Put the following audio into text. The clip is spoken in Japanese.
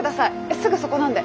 すぐそこなんで。